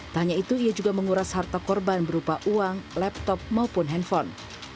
tanya itu ia juga menguras harta korban berupa uang laptop maupun handphone